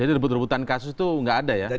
jadi rebut rebutan kasus itu nggak ada ya